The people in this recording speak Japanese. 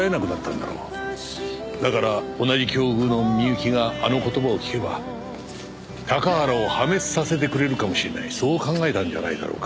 だから同じ境遇のみゆきがあの言葉を聞けば高原を破滅させてくれるかもしれないそう考えたんじゃないだろうか。